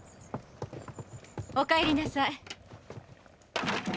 おかえりなさい。